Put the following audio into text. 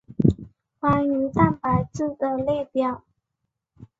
关于蛋白质的列表。